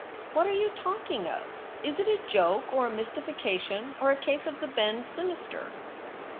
What are you talking of? Is it a joke or a mystification, or a case of the bend sinister